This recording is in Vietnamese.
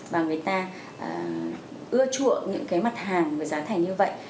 và người ta ưa chuộng những cái mặt hàng với giá thành như vậy